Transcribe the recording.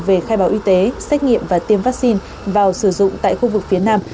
về khai báo y tế xét nghiệm và tiêm vaccine vào sử dụng tại khu vực phía nam